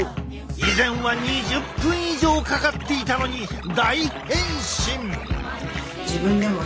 以前は２０分以上かかっていたのに大変身！